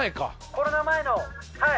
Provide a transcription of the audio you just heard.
コロナ前のはい。